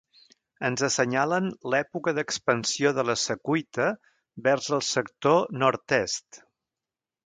Ens assenyalen l'època d'expansió de la Secuita vers el sector nord-est.